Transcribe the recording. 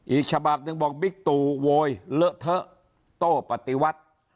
อีกฉบับหนึ่งบอกบิ๊กตู่โวยเลอะเทอะโต้ปฏิวัติ